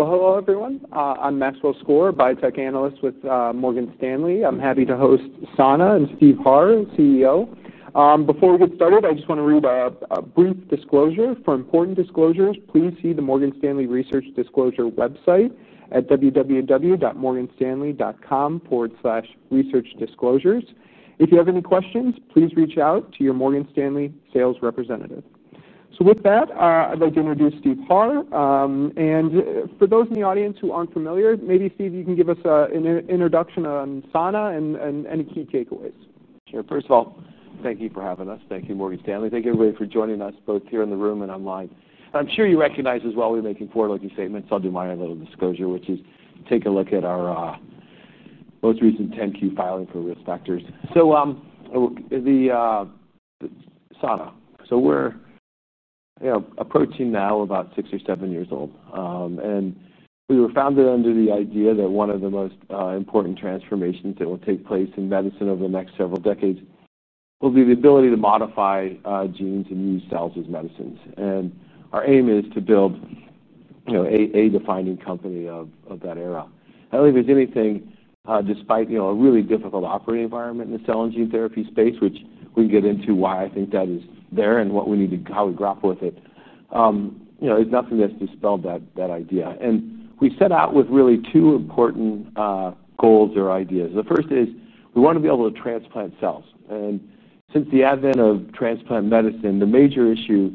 Hello everyone. I'm Maxwell Skor, biotech analyst with Morgan Stanley. I'm happy to host Sana Biotechnology and Steve Harr, CEO. Before we get started, I just want to read a brief disclosure. For important disclosures, please see the Morgan Stanley Research Disclosure website at www.morganstanley.com/researchdisclosures. If you have any questions, please reach out to your Morgan Stanley sales representative. With that, I'd like to introduce Steve Harr. For those in the audience who aren't familiar, maybe Steve, you can give us an introduction on Sana and any key takeaways. Sure. First of all, thank you for having us. Thank you, Morgan Stanley. Thank you everybody for joining us, both here in the room and online. I'm sure you recognize as well, we're making forward-looking statements. I'll do my little disclosure, which is take a look at our most recent 10-Q filing for risk factors. Sana is approaching now about six or seven years old. We were founded under the idea that one of the most important transformations that will take place in medicine over the next several decades will be the ability to modify genes and use cells as medicines. Our aim is to build a defining company of that era. I don't think there's anything, despite a really difficult operating environment in the cell and gene therapy space, which we can get into why I think that is there and what we need to, how we grapple with it, there's nothing that's dispelled that idea. We set out with really two important goals or ideas. The first is we want to be able to transplant cells. Since the advent of transplant medicine, the major issue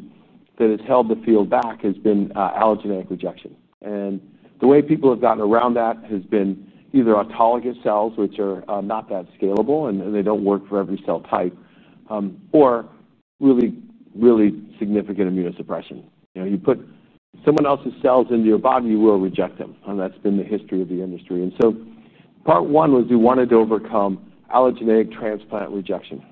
that has held the field back has been allogeneic rejection. The way people have gotten around that has been either autologous cells, which are not that scalable, and they don't work for every cell type, or really, really significant immunosuppression. You put someone else's cells into your body, you will reject them. That's been the history of the industry. Part one was we wanted to overcome allogeneic transplant rejection.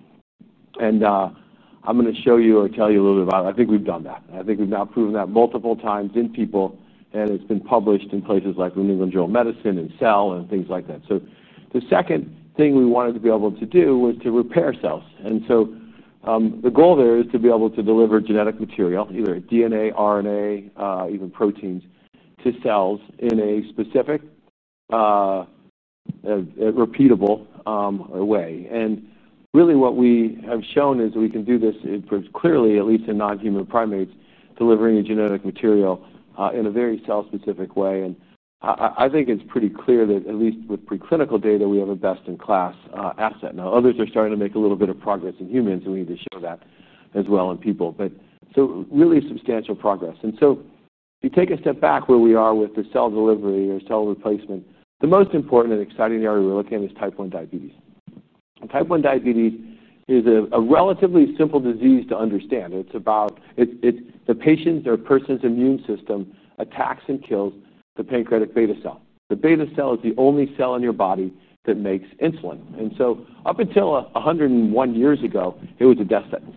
I'm going to show you or tell you a little bit about it. I think we've done that. I think we've now proven that multiple times in people, and it's been published in places like New England Journal of Medicine and ell and things like that. The second thing we wanted to be able to do was to repair cells. The goal there is to be able to deliver genetic material, either DNA, RNA, even proteins to cells in a specific, repeatable way. What we have shown is that we can do this, it proves clearly, at least in non-human primates, delivering a genetic material in a very cell-specific way. I think it's pretty clear that at least with preclinical data, we have a best-in-class asset. Others are starting to make a little bit of progress in humans, and we need to show that as well in people. Really substantial progress. If you take a step back, where we are with the cell delivery or cell replacement, the most important and exciting area we're looking at is type 1 diabetes. Type 1 diabetes is a relatively simple disease to understand. It's the patient or person's immune system attacks and kills the pancreatic beta cell. The beta cell is the only cell in your body that makes insulin. Up until 101 years ago, it was a death sentence.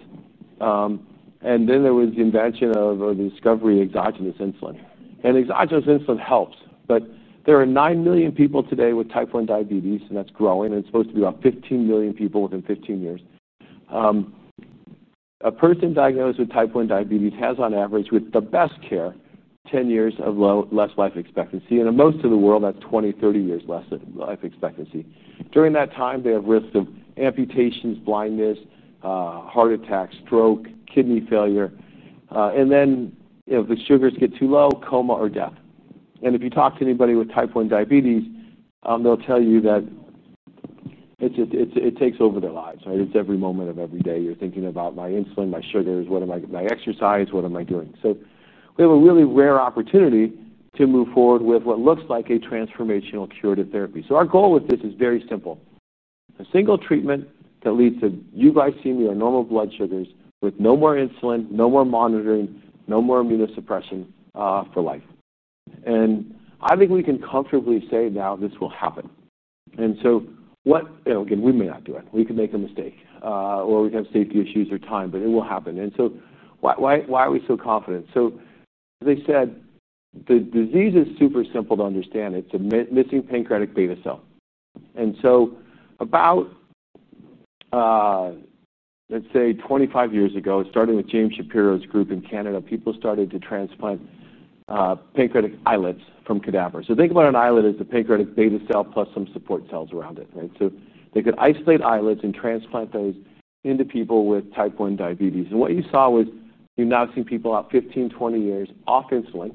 There was the invention of or the discovery of exogenous insulin. Exogenous insulin helps, but there are 9 million people today with type 1 diabetes, and that's growing. It's supposed to be about 15 million people within 15 years. A person diagnosed with type 1 diabetes has, on average, with the best care, 10 years of less life expectancy. In most of the world, that's 20, 30 years less life expectancy. During that time, they have risks of amputations, blindness, heart attack, stroke, kidney failure. If the sugars get too low, coma or death. If you talk to anybody with type 1 diabetes, they'll tell you that it takes over their lives, right? It's every moment of every day. You're thinking about my insulin, my sugars, what am I, my exercise, what am I doing? We have a really rare opportunity to move forward with what looks like a transformational curative therapy. Our goal with this is very simple: a single treatment that leads to euglycemia, normal blood sugars, with no more insulin, no more monitoring, no more immunosuppression for life. And I think we can comfortably say now this will happen. What, you know, again, we may not do it. We could make a mistake, or we could have safety issues or time, but it will happen. Why are we so confident? As I said, the disease is super simple to understand. It's a missing pancreatic beta cell. About, let's say, 25 years ago, starting with James Shapiro's group in Canada, people started to transplant pancreatic islets from cadavers. Think about an islet as the pancreatic beta cell plus some support cells around it, right? They could isolate islets and transplant those into people with type 1 diabetes. What you saw was you've now seen people out 15, 20 years off insulin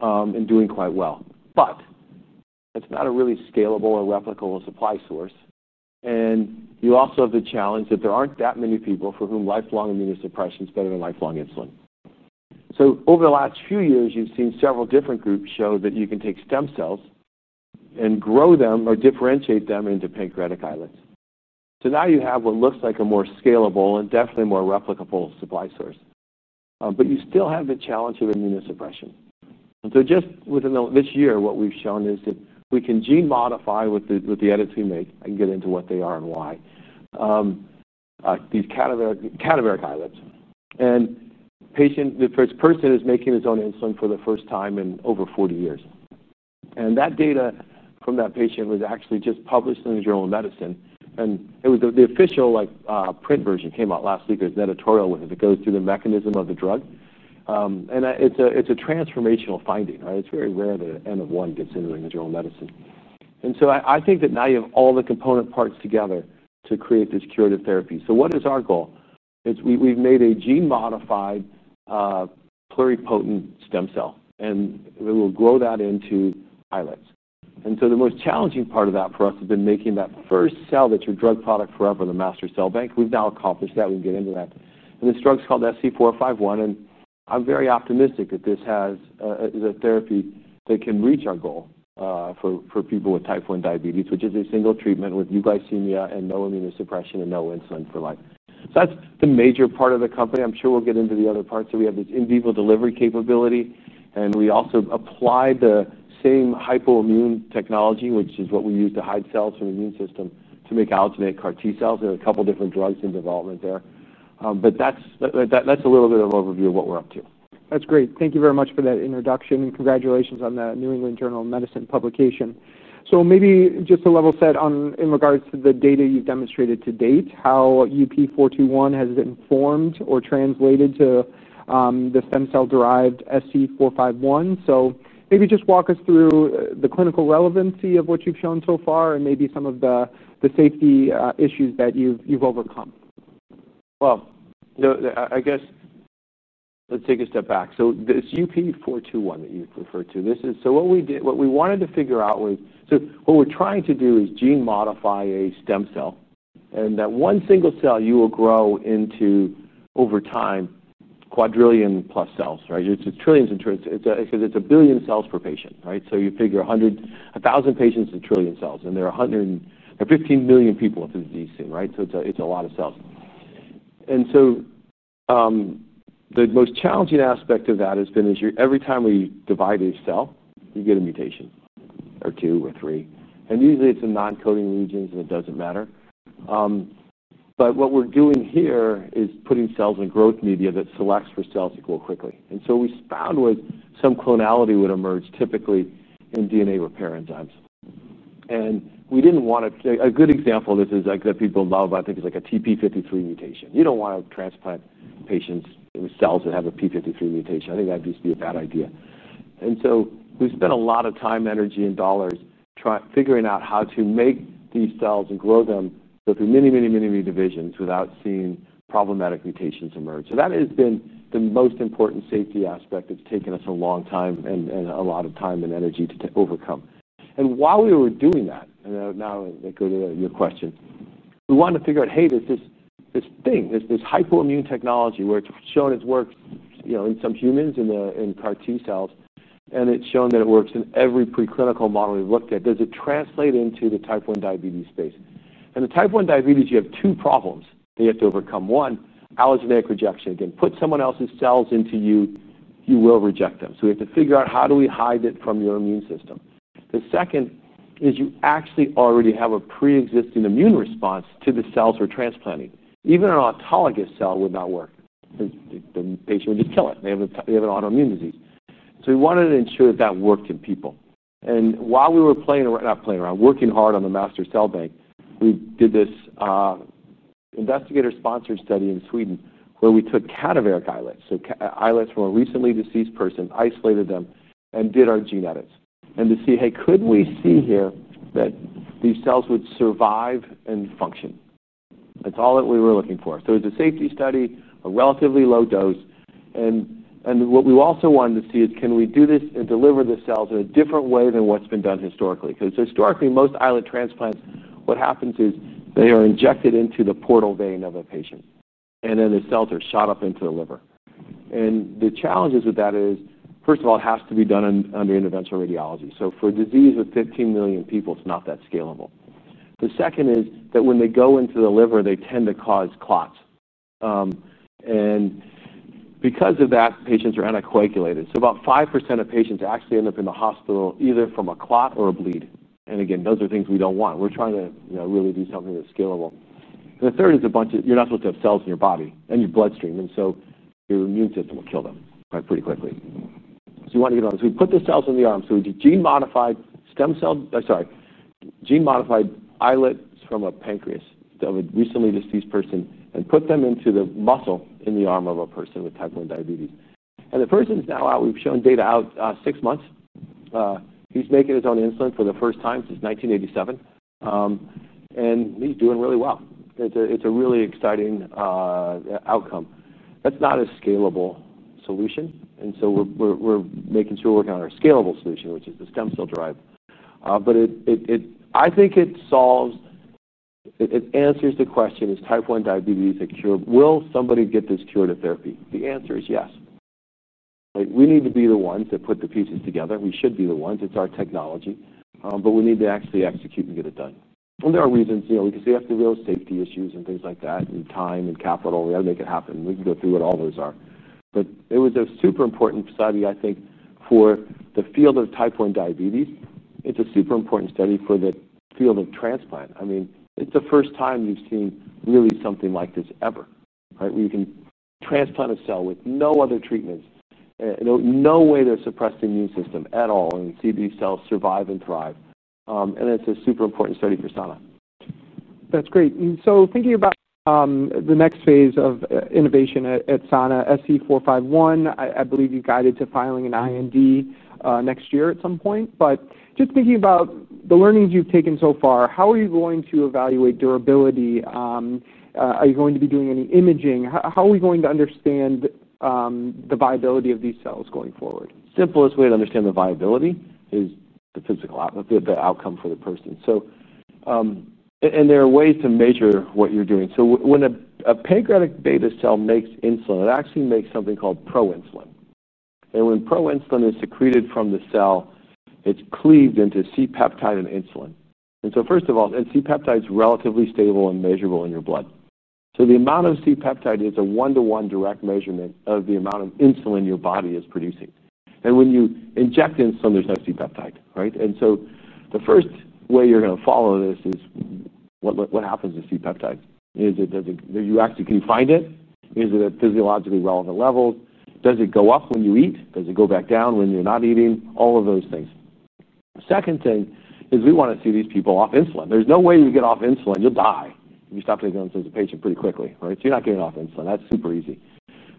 and doing quite well. It's not a really scalable or replicable supply source. You also have the challenge that there aren't that many people for whom lifelong immunosuppression is better than lifelong insulin. Over the last few years, you've seen several different groups show that you can take stem cells and grow them or differentiate them into pancreatic islets. Now you have what looks like a more scalable and definitely more replicable supply source. You still have the challenge of immunosuppression. Just within this year, what we've shown is that we can gene modify with the edits we make and get into what they are and why, these cadaveric islets. The first person is making its own insulin for the first time in over 40 years. That data from that patient was actually just published in the New England Journal of Medicine. The official print version came out last week. There's an editorial with it that goes through the mechanism of the drug. It's a transformational finding, right? It's very rare that N-of-1 gets into the New England Journal of Medicine. I think that now you have all the component parts together to create this curative therapy. What is our goal? We've made a gene-modified pluripotent stem cell. We will grow that into islets. The most challenging part of that for us has been making that first cell that's your drug product forever, the master cell bank. We've now accomplished that. We can get into that. This drug's called SC451. I'm very optimistic that this is a therapy that can reach our goal for people with type 1 diabetes, which is a single treatment with euglycemia and no immunosuppression and no insulin for life. That's the major part of the company. I'm sure we'll get into the other parts. We have this in vivo delivery capability. We also applied the same hypoimmune technology, which is what we use to hide cells from the immune system to make allogeneic CAR T cells. There are a couple of different drugs in development there. But that's a little bit of an overview of what we're up to. That's great. Thank you very much for that introduction. Congratulations on the New England Journal of Medicine publication. Maybe just to level set in regards to the data you've demonstrated to date, how UP421 has informed or translated to the stem cell-derived SC451. Maybe just walk us through the clinical relevancy of what you've shown so far and maybe some of the safety issues that you've overcome. Let's take a step back. This UP421 that you referred to, what we did, what we wanted to figure out was what we're trying to do is gene modify a stem cell. That one single cell will grow into, over time, quadrillion plus cells, right? It's trillions in trillions. It's a billion cells per patient, right? You figure a hundred, a thousand patients in trillion cells. There are 15 million people with the disease seen, right? It's a lot of cells. The most challenging aspect of that has been every time we divide a cell, you get a mutation or two or three. Usually, it's in non-coding regions, and it doesn't matter. What we're doing here is putting cells in growth media that selects for cells equal quickly. We found some clonality would emerge, typically in DNA repair enzymes. A good example of this is I get people in love about things like a TP53 mutation. You don't want to transplant patients with cells that have a P53 mutation. I think that'd just be a bad idea. We've spent a lot of time, energy, and dollars figuring out how to make these cells and grow them through many, many, many, many divisions without seeing problematic mutations emerge. That has been the most important safety aspect that's taken us a long time and a lot of time and energy to overcome. While we were doing that, to go to your question, we wanted to figure out, hey, does this thing, this hypoimmune technology where it's shown it's worked in some humans in CAR T cells, and it's shown that it works in every preclinical model we've looked at, does it translate into the type 1 diabetes space? In type 1 diabetes, you have two problems that you have to overcome. One, allogeneic rejection. Again, put someone else's cells into you, you will reject them. We have to figure out how do we hide it from your immune system. The second is you actually already have a pre-existing immune response to the cells we're transplanting. Even an autologous cell would not work. The patient would just kill it. They have an autoimmune disease. We wanted to ensure that that worked in people. While we were working hard on the master cell bank, we did this investigator-sponsored study in Sweden where we took cadaveric islets, so islets from a recently deceased person, isolated them, and did our gene edits. To see, hey, could we see here that these cells would survive and function? That's all that we were looking for. It was a safety study, a relatively low dose. What we also wanted to see is can we do this and deliver the cells in a different way than what's been done historically? Historically, most islet transplants, what happens is they are injected into the portal vein of a patient, and then the cells are shot up into the liver. The challenges with that are, first of all, it has to be done under interventional radiology. For a disease with 15 million people, it's not that scalable. The second is that when they go into the liver, they tend to cause clots, and because of that, patients are anticoagulated. About 5% of patients actually end up in the hospital either from a clot or a bleed. And again, those are things we don't want. We're trying to really do something that's scalable. The third is a bunch of, you're not supposed to have cells in your body and your bloodstream, and so your immune system will kill them pretty quickly. You want to get on this. We put the cells in the arm. We did gene-modified islets from a pancreas of a recently deceased person and put them into the muscle in the arm of a person with type 1 diabetes. The person's now out. We've shown data out six months. He's making his own insulin for the first time since 1987, and he's doing really well. It's a really exciting outcome. That's not a scalable solution, and so, we're making sure we're working on our scalable solution, which is the stem cell-derived. I think it answers the question, is type 1 diabetes a cure? Will somebody get this curative therapy? The answer is yes. We need to be the ones that put the pieces together. We should be the ones. It's our technology. We need to actually execute and get it done. There are reasons, you know, because we have to deal with safety issues and things like that, and time and capital. We got to make it happen. We can go through what all those are. It was a super important study, I think, for the field of type 1 diabetes. It's a super important study for the field of transplant. It's the first time you've seen really something like this ever, right? Where you can transplant a cell with no other treatments, and in no way they're suppressing the immune system at all, and you see these cells survive and thrive. It's a super important study for Sana. That's great. Thinking about the next phase of innovation at Sana, SC451, I believe you're guided to filing an IND next year at some point. Just thinking about the learnings you've taken so far, how are you going to evaluate durability? Are you going to be doing any imaging? How are we going to understand the viability of these cells going forward? Simplest way to understand the viability is the physical outcome for the person. There are ways to measure what you're doing. When a pancreatic beta cell makes insulin, it actually makes something called proinsulin. When proinsulin is secreted from the cell, it's cleaved into C-peptide and insulin. First of all, C-peptide is relatively stable and measurable in your blood. The amount of C-peptide is a one-to-one direct measurement of the amount of insulin your body is producing. When you inject the insulin, there's no C-peptide, right? The first way you're going to follow this is what happens to C-peptide. Can you find it? Is it at a physiologically relevant level? Does it go up when you eat? Does it go back down when you're not eating? All of those things. The second thing is we want to see these people off insulin. There's no way you get off insulin. You'll die if you stop taking insulin as a patient pretty quickly, right? You're not getting off insulin. That's super easy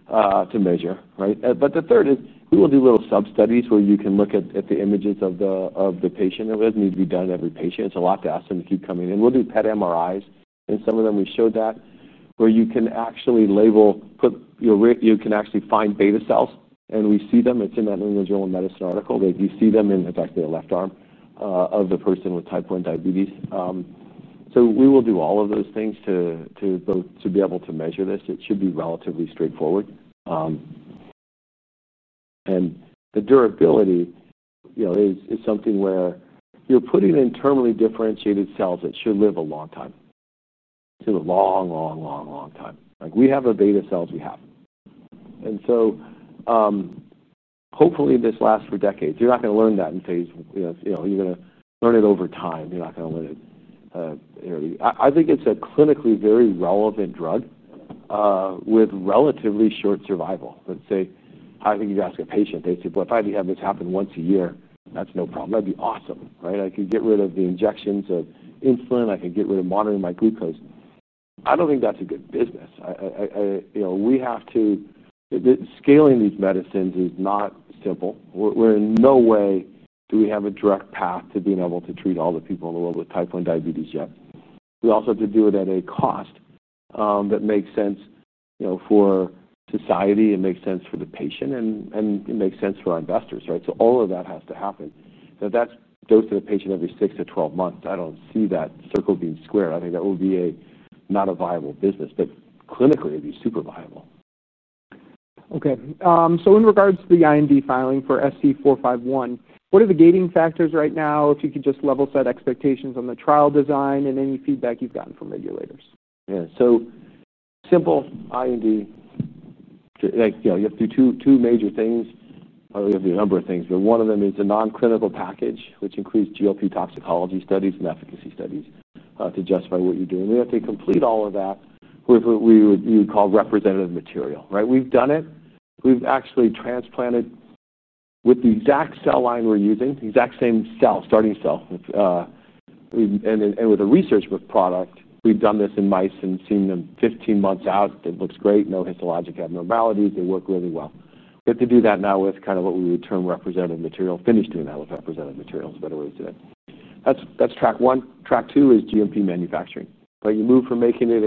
to measure, right? The third is we will do little sub-studies where you can look at the images of the patient. It doesn't need to be done in every patient. It's a lot to ask them to keep coming in. We'll do PET/MRIs. In some of them, we showed that where you can actually label, you can actually find beta cells. We see them. It's in that New England Journal of Medicine article. You see them in, in fact, the left arm of the person with type 1 diabetes. We will do all of those things to be able to measure this. It should be relatively straightforward. The durability is something where you're putting in terminally differentiated cells that should live a long time. It should live a long, long, long, long time. Like we have a beta cell we have. Hopefully, this lasts for decades. You're not going to learn that in phase. You're going to learn it over time. You're not going to learn it. I think it's a clinically very relevant drug with relatively short survival. Let's say, I think you'd ask a patient. They'd say, "If I had to have this happen once a year, that's no problem. That'd be awesome, right? I could get rid of the injections of insulin. I could get rid of monitoring my glucose." I don't think that's a good business. We have to, the scaling of these medicines is not simple. We're in no way, do we have a direct path to being able to treat all the people in the world with type 1 diabetes yet. We also have to do it at a cost that makes sense for society. It makes sense for the patient, and it makes sense for our investors, right? All of that has to happen. If that goes to the patient every 6 to 12 months, I don't see that circle being squared. I think that would be not a viable business, but clinically, it'd be super viable. Okay. In regards to the IND filing for SC451, what are the gating factors right now? If you could just level set expectations on the trial design and any feedback you've gotten from regulators. Yeah. Simple IND. You have to do two major things. You have to do a number of things, but one of them is a non-clinical package, which includes GLP toxicology studies and efficacy studies to justify what you're doing. We have to complete all of that with what you would call representative material, right? We've done it. We've actually transplanted with the exact cell line we're using, the exact same starting cell. With a research product, we've done this in mice and seen them 15 months out. It looks great. No histologic abnormalities. They work really well. We have to do that now with what we would term representative material. Finish doing that with representative material is a better way to do it. That's track one. Track two is GMP manufacturing. You move from making it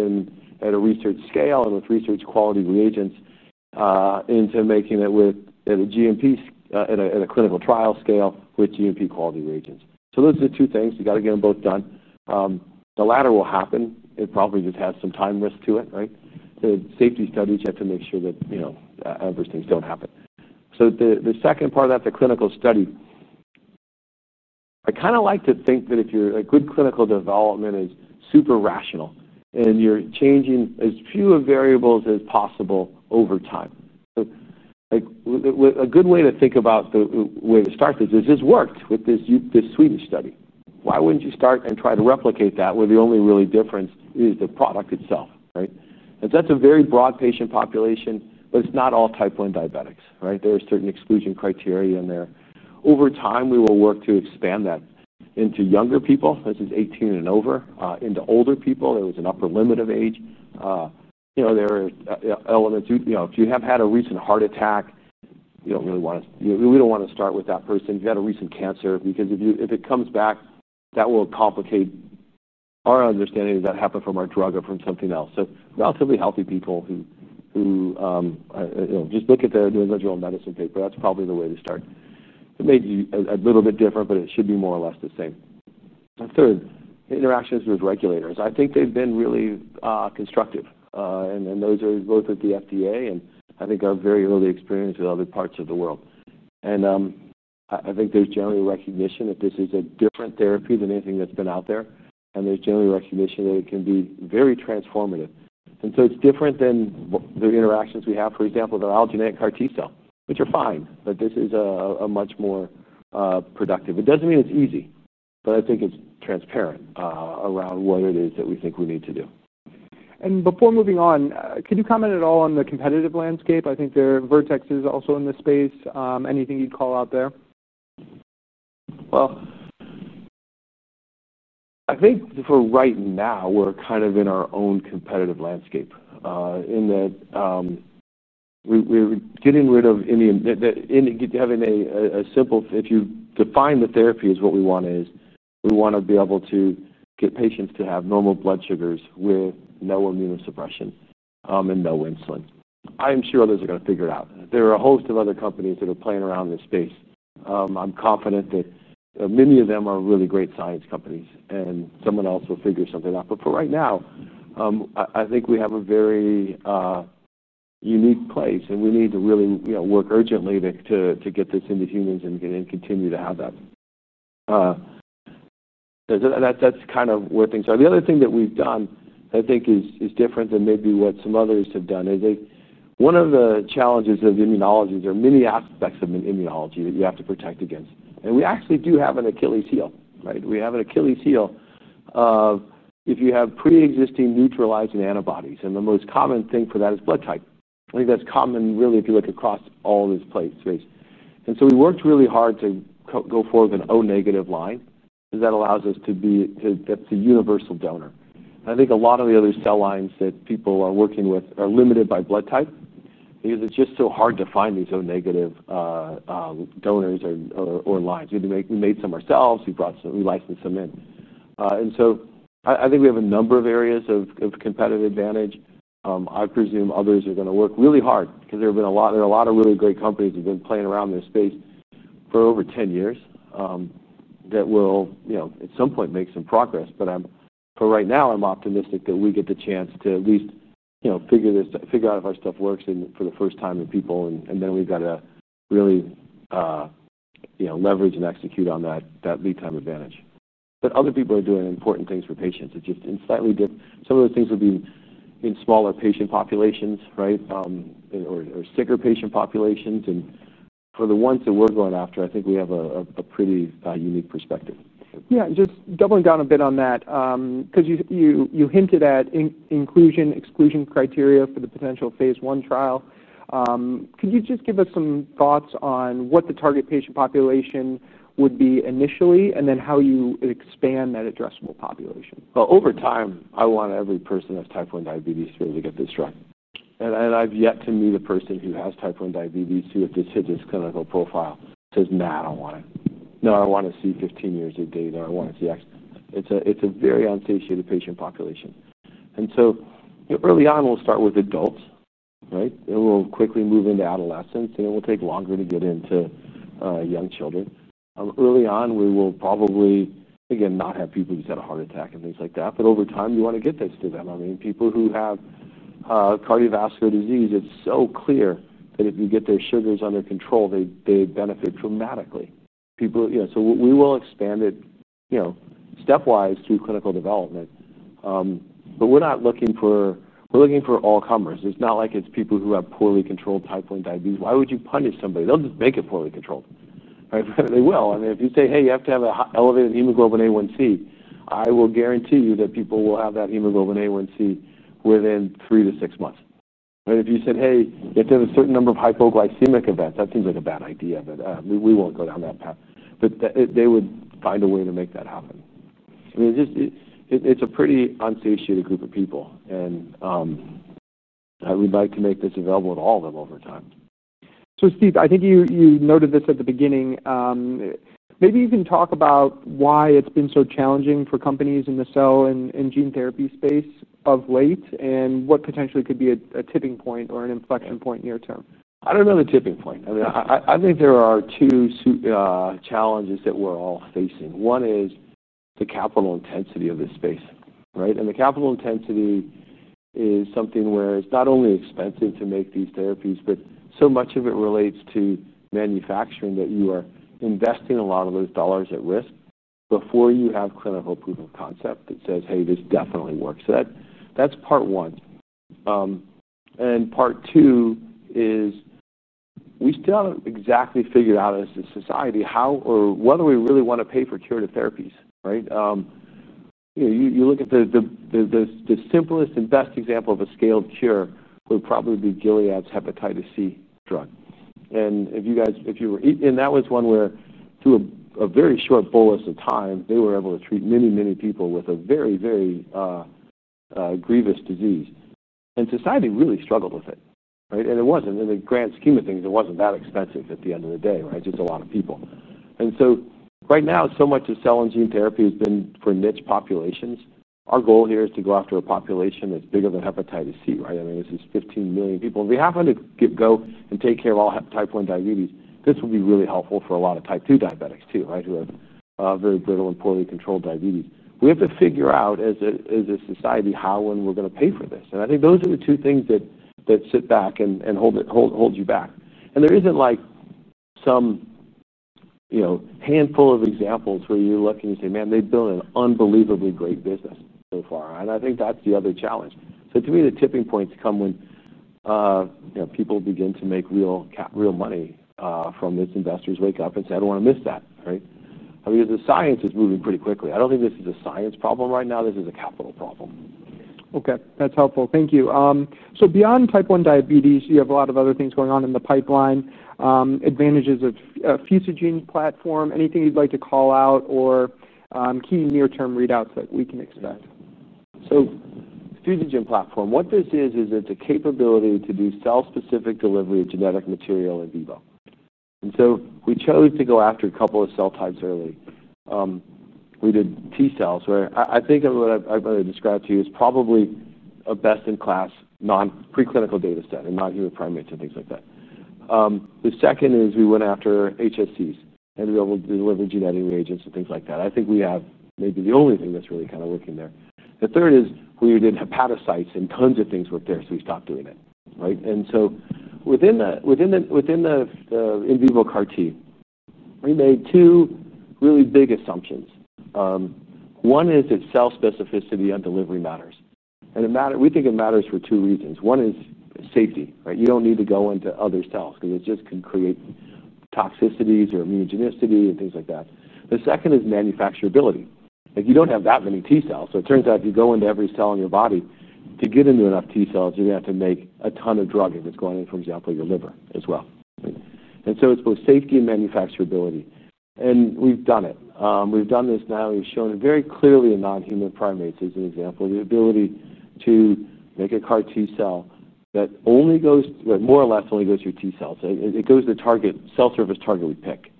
at a research scale and with research quality reagents into making it with a GMP at a clinical trial scale with GMP quality reagents. Those are the two things. You got to get them both done. The latter will happen. It probably just has some time risk to it, right? To safety studies, you have to make sure that adverse things don't happen. The second part of that's a clinical study. I kind of like to think that if your clinical development is super rational and you're changing as few variables as possible over time, a good way to think about the way to start this is this worked with this Swedish study. Why wouldn't you start and try to replicate that where the only real difference is the product itself, right? That's a very broad patient population, but it's not all type 1 diabetics, right? There are certain exclusion criteria in there. Over time, we will work to expand that into younger people, as in 18 and over, into older people. There was an upper limit of age. If you have had a recent heart attack, we don't want to start with that person. If you've had a recent cancer, because if it comes back, that will complicate our understanding that that happened from our drug or from something else. Relatively healthy people who just look at the New England Journal of Medicine paper, that's probably the way to start. It may be a little bit different, but it should be more or less the same. The third, interactions with regulators. I think they've been really constructive. Those are both at the FDA, and I think our very early experience with other parts of the world. I think there's generally recognition that this is a different therapy than anything that's been out there, and there's generally recognition that it can be very transformative. It's different than the interactions we have, for example, with the allogeneic CAR T cell, which are fine, but this is much more productive. It doesn't mean it's easy, but I think it's transparent around what it is that we think we need to do. Before moving on, could you comment at all on the competitive landscape? I think there are Vertex Pharmaceuticals also in this space. Anything you'd call out there? I think for right now, we're kind of in our own competitive landscape in that we're getting rid of, having a simple, if you define the therapy as what we want to is, we want to be able to get patients to have normal blood sugars with no immunosuppression and no insulin. I'm sure others are going to figure it out. There are a host of other companies that are playing around in this space. I'm confident that many of them are really great science companies, and someone else will figure something out. For right now, I think we have a very unique place, and we need to really work urgently to get this into humans and continue to have that. That's kind of where things are. The other thing that we've done, I think, is different than maybe what some others have done. I think one of the challenges of immunology, there are many aspects of immunology that you have to protect against. We actually do have an Achilles heel, right? We have an Achilles heel of if you have pre-existing neutralizing antibodies. The most common thing for that is blood type. I think that's common, really, if you look across all these places. We worked really hard to go forward with an O- line that allows us to be that's a universal donor. I think a lot of the other cell lines that people are working with are limited by blood type because it's just so hard to find these O- donors or lines. We made some ourselves. We brought some, we licensed some in. I think we have a number of areas of competitive advantage. I presume others are going to work really hard because there have been a lot, there are a lot of really great companies that have been playing around in this space for over 10 years that will, you know, at some point, make some progress. For right now, I'm optimistic that we get the chance to at least, you know, figure out if our stuff works for the first time with people. We've got to really, you know, leverage and execute on that lead time advantage. Other people are doing important things for patients. It's just in slightly different, some of the things would be in smaller patient populations, right, or sicker patient populations. For the ones that we're going after, I think we have a pretty unique perspective. Yeah. Just doubling down a bit on that because you hinted at inclusion exclusion criteria for the potential phase one trial. Could you just give us some thoughts on what the target patient population would be initially, and then how you expand that addressable population? Over time, I want every person with type 1 diabetes to be able to get this drug. I've yet to meet a person who has type 1 diabetes who, if they fit this clinical profile, says, "Nah, I don't want it. No, I want to see 15 years of data. I want to see X." It's a very unsatiated patient population. Early on, we'll start with adults, right? We'll quickly move into adolescents, and it will take longer to get into young children. Early on, we will probably, again, not have people who've had a heart attack and things like that, but over time, you want to get this to them. People who have cardiovascular disease, it's so clear that if you get their sugars under control, they benefit dramatically. We will expand it stepwise through clinical development. We're not looking for, we're looking for all comers. It's not like it's people who have poorly controlled type 1 diabetes. Why would you punish somebody? They'll just make it poorly controlled, and they will. If you say, "Hey, you have to have an elevated hemoglobin A1C," I will guarantee you that people will have that hemoglobin A1C within three to six months. If you said, "Hey, you have to have a certain number of hypoglycemic events," that seems like a bad idea, but we won't go down that path. They would find a way to make that happen. It's a pretty unsatiated group of people, and we'd like to make this available to all of them over time. Steve, I think you noted this at the beginning. Maybe you can talk about why it's been so challenging for companies in the cell and gene therapy space of late and what potentially could be a tipping point or an inflection point in the near term. I don't know the tipping point. I think there are two challenges that we're all facing. One is the capital intensity of this space, right? The capital intensity is something where it's not only expensive to make these therapies, but so much of it relates to manufacturing that you are investing a lot of those dollars at risk before you have clinical proof of concept that says, "Hey, this definitely works." That's part one. Part two is we still haven't exactly figured out as a society how or whether we really want to pay for curative therapies, right? You look at the simplest and best example of a scaled cure, which would probably be Gilead's hepatitis C drug. If you were eating, and that was one where through a very short bolus of time, they were able to treat many, many people with a very, very grievous disease. Society really struggled with it, right? In the grand scheme of things, it wasn't that expensive at the end of the day, right? It's just a lot of people. Right now, so much of cell and gene therapy has been for niche populations. Our goal here is to go after a population that's bigger than hepatitis C, right? It's 15 million people. If we happen to go and take care of all type 1 diabetes, this will be really helpful for a lot of type 2 diabetics too, who have very brittle and poorly controlled diabetes. We have to figure out as a society how and when we're going to pay for this. I think those are the two things that sit back and hold you back. There isn't like some handful of examples where you look and you say, "Man, they've built an unbelievably great business so far." I think that's the other challenge. To me, the tipping points come when people begin to make real money from this. Investors wake up and say, "I don't want to miss that," right? The science is moving pretty quickly. I don't think this is a science problem right now. This is a capital problem. Okay. That's helpful. Thank you. Beyond type 1 diabetes, you have a lot of other things going on in the pipeline. Advantages of fusogens platform. Anything you'd like to call out or key near-term readouts that we can expect? The fusogen platform, what this is, is it's a capability to do cell-specific delivery of genetic material in vivo. We chose to go after a couple of cell types early. We did T cells, where I think of what I've really described to you is probably a best-in-class non-preclinical data study, not human primates and things like that. The second is we went after HSCs and to be able to deliver genetic reagents and things like that. I think we have maybe the only thing that's really kind of working there. The third is we did hepatocytes and tons of things with there, so we stopped doing it, right? Within the in vivo CAR T, we made two really big assumptions. One is that cell specificity on delivery matters. We think it matters for two reasons. One is safety, right? You don't need to go into other cells because it just can create toxicities or immunogenicity and things like that. The second is manufacturability. You don't have that many T cells. It turns out if you go into every cell in your body, to get into enough T cells, you're going to have to make a ton of drug that's going in, for example, your liver as well, right? It's both safety and manufacturability. We've done it. We've done this now. We've shown very clearly in non-human primates, as an example, the ability to make a CAR T cell that only goes, but more or less only goes through T cells. It goes to target cell surface target we pick.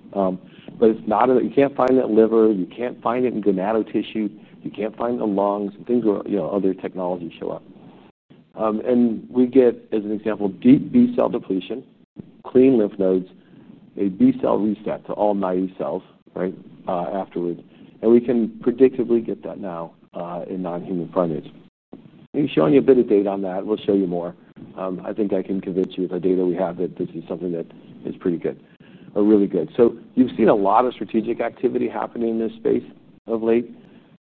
It's not, you can't find that liver. You can't find it in genetic tissue. You can't find the lungs and things where other technologies show up. And we get, as an example, deep B cell depletion, clean lymph nodes, a B cell reset to all 90 cells, right, afterward. We can predictably get that now in non-human primates. We've shown you a bit of data on that. We'll show you more. I think I can convince you of the data we have that this is something that is pretty good, really good. You've seen a lot of strategic activity happening in this space of late.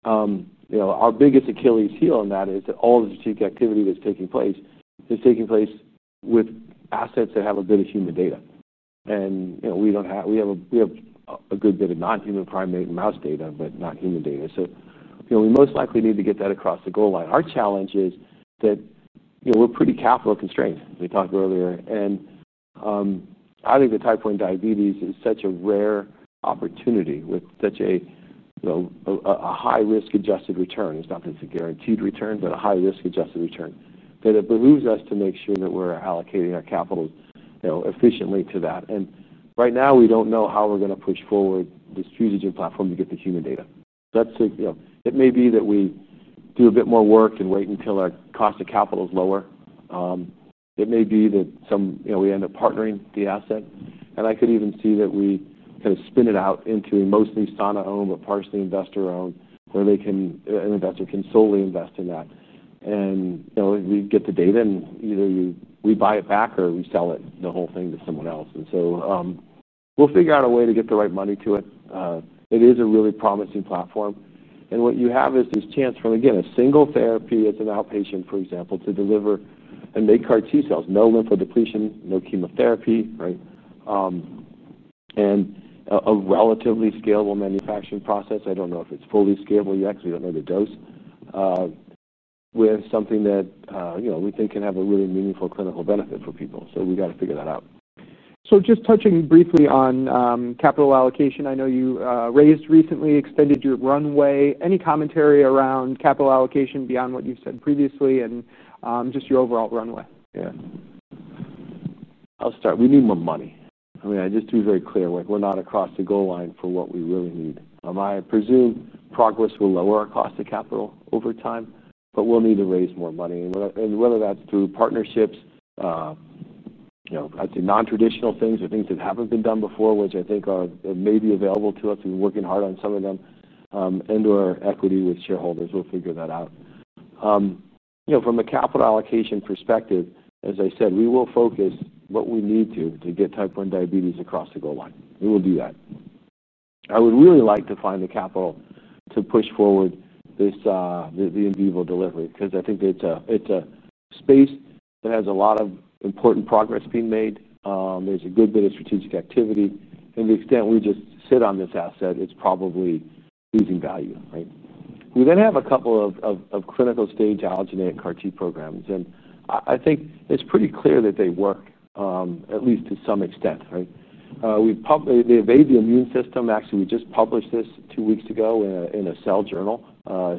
Our biggest Achilles heel on that is that all of the strategic activity that's taking place is taking place with assets that have a bit of human data. We have a good bit of non-human primate mouse data, but not human data. We most likely need to get that across the goal line. Our challenge is that we're pretty capital constrained, as we talked earlier. I think the type 1 diabetes is such a rare opportunity with such a high-risk adjusted return. It's not that it's a guaranteed return, but a high-risk adjusted return that it behooves us to make sure that we're allocating our capital efficiently to that. Right now, we don't know how we're going to push forward this fusogen platform to get the human data. It may be that we do a bit more work and wait until our cost of capital is lower. It may be that we end up partnering the asset. I could even see that we kind of spin it out into a mostly Sana-owned but partially investor-owned, where an investor can solely invest in that. If we get the data, and either we buy it back or we sell it, the whole thing to someone else. We'll figure out a way to get the right money to it. It is a really promising platform. What you have is this chance from, again, a single therapy at an outpatient, for example, to deliver and make CAR T cells, no lymphodepletion, no chemotherapy, right? A relatively scalable manufacturing process. I don't know if it's fully scalable. You actually don't know the dose. We have something that we think can have a really meaningful clinical benefit for people. We got to figure that out. So just touching briefly on capital allocation, I know you raised recently extended your runway. Any commentary around capital allocation beyond what you've said previously and just your overall runway? Yeah. I'll start. We need more money. I mean, just to be very clear, we're not across the goal line for what we really need. I presume progress will lower our cost of capital over time, but we'll need to raise more money. Whether that's through partnerships, I think non-traditional things or things that haven't been done before, which I think may be available to us. We're working hard on some of them. And/or equity with shareholders. We'll figure that out. From a capital allocation perspective, as I said, we will focus what we need to to get type 1 diabetes across the goal line. We will do that. I would really like to find the capital to push forward this in vivo delivery because I think it's a space that has a lot of important progress being made. There's a good bit of strategic activity. To the extent we just sit on this asset, it's probably losing value, right? We then have a couple of clinical stage allogeneic CAR T cell programs. I think it's pretty clear that they work, at least to some extent, right? We've probably evaded the immune system. Actually, we just published this two weeks ago in a cell journal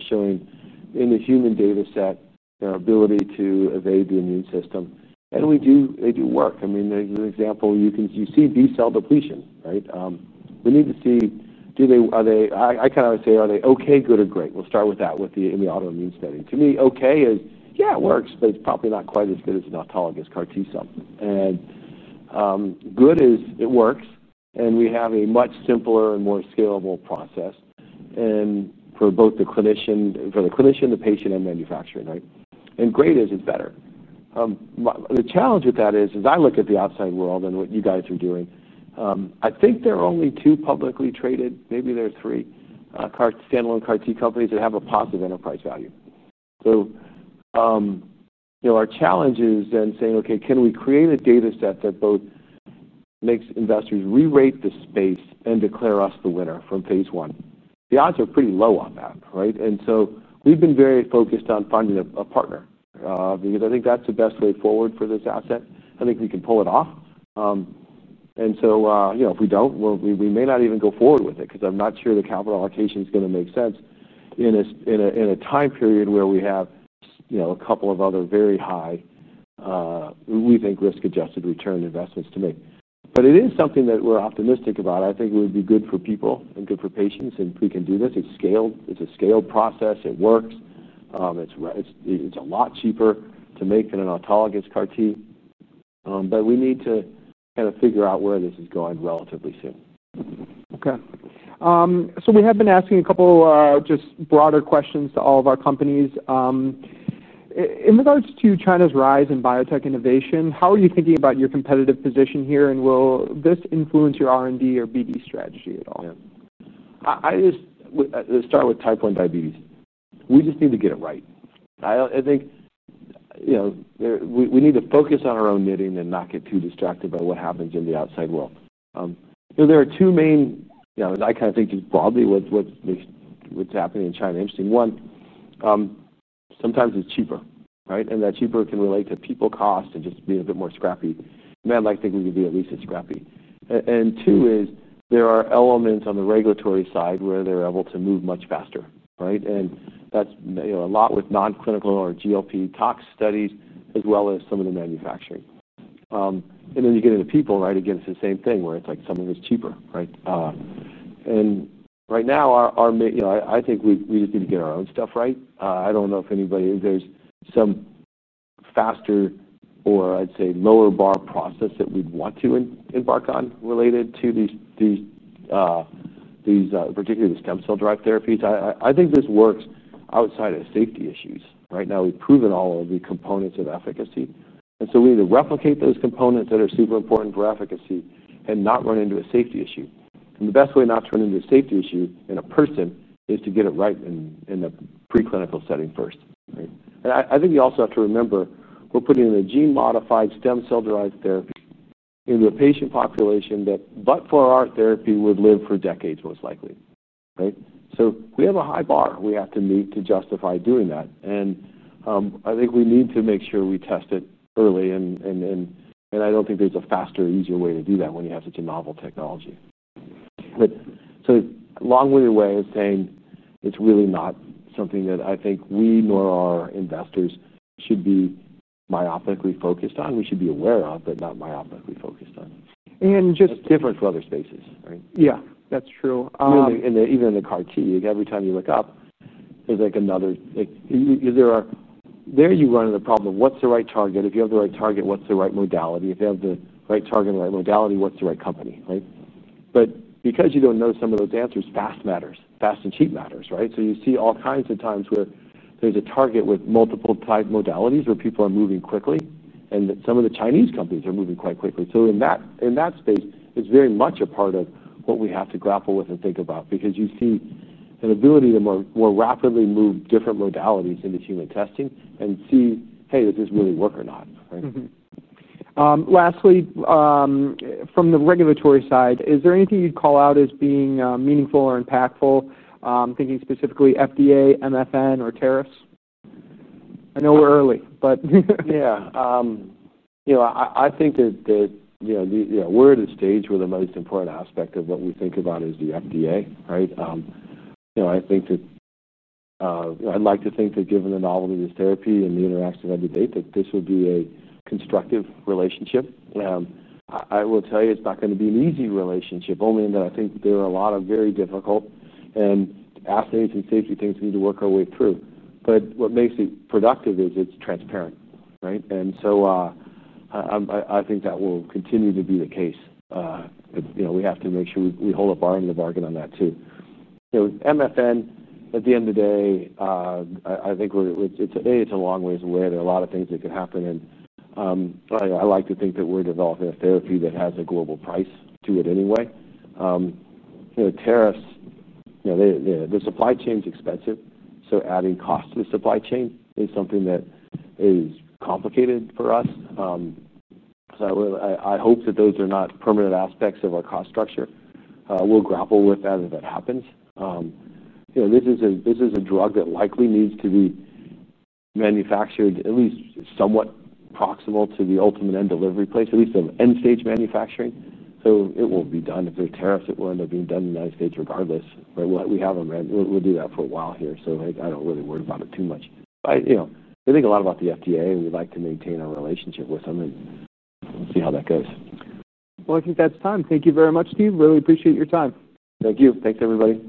showing in the human data set their ability to evade the immune system. We do, they do work. I mean, there's an example when you think you see B cell depletion, right? We need to see, do they, are they, I kind of always say, are they okay, good, or great? We'll start with that with the autoimmune study. To me, okay is, yeah, it works, but it's probably not quite as good as an autologous CAR T cell. Good is it works. We have a much simpler and more scalable process, and for both the clinician, for the patient, and manufacturing, right? Great is it's better. The challenge with that is, as I look at the outside world and what you guys are doing, I think there are only two publicly traded, maybe there are three, standalone CAR T companies that have a positive enterprise value. Our challenge is then saying, okay, can we create a data set that both makes investors re-rate the space and declare us the winner from phase I? The odds are pretty low on that, right? We've been very focused on finding a partner because I think that's the best way forward for this asset. I think we can pull it off. If we don't, we may not even go forward with it because I'm not sure the capital allocation is going to make sense in a time period where we have a couple of other very high, we think, risk-adjusted return investments to make. It is something that we're optimistic about. I think it would be good for people and good for patients. If we can do this, it's scaled. It's a scaled process. It works. It's a lot cheaper to make than an autologous CAR T. We need to kind of figure out where this is going relatively soon. Okay. We have been asking a couple of just broader questions to all of our companies. In regards to China's rise in biotech innovation, how are you thinking about your competitive position here? Will this influence your R&D or BD strategy at all? Yeah. I'll start with type 1 diabetes. We just need to get it right. I think we need to focus on our own knitting and not get too distracted by what happens in the outside world. There are two main, I kind of think just broadly what's happening in China is interesting. One, sometimes it's cheaper, right? That cheaper can relate to people cost and just be a bit more scrappy. I think we can do at least as scrappy. Two is there are elements on the regulatory side where they're able to move much faster, right? That's a lot with non-clinical or GLP tox studies, as well as some of the manufacturing. Then you get into people, right? Again, it's the same thing where it's like something that's cheaper, right? Right now, I think we just need to get our own stuff right. I don't know if anybody, there's some faster or I'd say lower bar process that we'd want to embark on related to these, particularly the stem cell-derived therapies. I think this works outside of safety issues, right? Now we've proven all of the components of efficacy. We need to replicate those components that are super important for efficacy and not run into a safety issue. The best way not to run into a safety issue in a person is to get it right in the preclinical setting first, right? I think you also have to remember we're putting in a gene-modified stem cell-derived therapy into a patient population that, but for our therapy, would live for decades most likely, right? We have a high bar we have to meet to justify doing that. I think we need to make sure we test it early. I don't think there's a faster or easier way to do that when you have such a novel technology. A long way away of saying it's really not something that I think we nor our investors should be myopically focused on. We should be aware of, but not myopically focused on. And just. It's different for other spaces, right? Yeah, that's true. Really, and even in the CAR T, every time you look up, there's like another, you run into the problem of what's the right target? If you have the right target, what's the right modality? If you have the right target and the right modality, what's the right company, right? Because you don't know some of those answers, fast matters, fast and cheap matters, right? You see all kinds of times where there's a target with multiple type modalities where people are moving quickly and that some of the Chinese companies are moving quite quickly. In that space, it's very much a part of what we have to grapple with and think about because you see an ability to more rapidly move different modalities into human testing and see, hey, does this really work or not? Lastly, from the regulatory side, is there anything you'd call out as being meaningful or impactful, thinking specifically FDA, MFN, or tariffs? I know we're early, but. Yeah. I think that we're at a stage where the most important aspect of what we think about is the FDA, right? I think that I'd like to think that given the novel in this therapy and the interactions I did, that this would be a constructive relationship. I will tell you, it's not going to be an easy relationship, only in that I think there are a lot of very difficult assays and safety things we need to work our way through. What makes it productive is it's transparent, right? I think that will continue to be the case. We have to make sure we hold a bar in the bargain on that too. MFN, at the end of the day, I think today it's a long ways away. There are a lot of things that could happen. I like to think that we're developing a therapy that has a global price to it anyway. Tariffs, the supply chain is expensive. Adding cost to the supply chain is something that is complicated for us. I hope that those are not permanent aspects of our cost structure. We'll grapple with that as that happens. This is a drug that likely needs to be manufactured at least somewhat proximal to the ultimate end delivery place, at least of end-stage manufacturing. It will be done. If there's tariffs, it will end up being done in the United States regardless. We have a rent. We'll do that for a while here. I don't really worry about it too much. We think a lot about the FDA, and we'd like to maintain our relationship with them. We'll see how that goes. I think that's time. Thank you very much, Steve. Really appreciate your time. Thank you. Thanks, everybody.